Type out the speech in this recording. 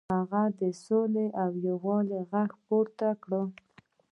هغه د سولې او یووالي غږ پورته کړ.